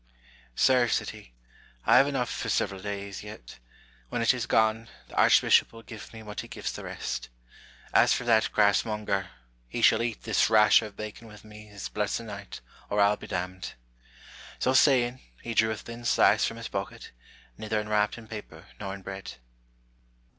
"Sir," said he, "I have enough for several days yet; when it is gone, the archbishop will give me what he gives the rest. As for that grassmonger, he shall eat this rasher of bacon with me this blessed night, or I'll be damned." So saying, he drew a thin slice from his pocket, neither enwrapped in paper nor in bread.